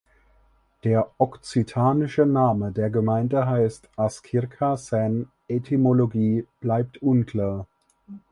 Der okzitanische Name der Gemeinde heißt Ascirca Seine Etymologie bleibt unklar.